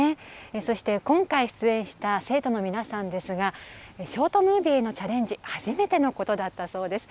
そして今回出演した生徒の皆さんですがショートムービーのチャレンジ、初めてのことだったそうです。